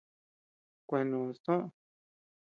Kues noʼos toʼö.